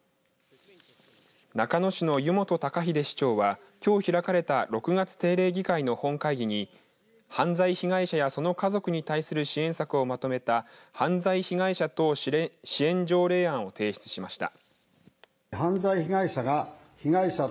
中野市の湯本隆英市長はきょう開かれた６月定例議会の本会議に犯罪被害者やその家族に対する支援策をまとめた犯罪被害者等支援条例案を提出しました。